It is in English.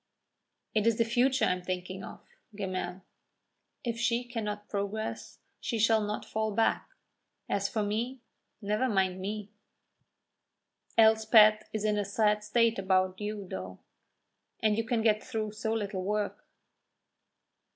"It is the future I am thinking of, Gemmell. If she cannot progress, she shall not fall back. As for me, never mind me." "Elspeth is in a sad state about you, though! And you can get through so little work."